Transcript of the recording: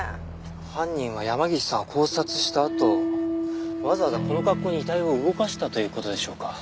犯人は山岸さんを絞殺したあとわざわざこの格好に遺体を動かしたという事でしょうか？